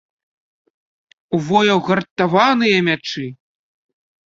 У вояў гартаваныя мячы!